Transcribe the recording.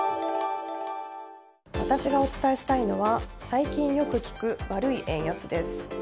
私がお伝えしたいのは最近よく聞く悪い円安です。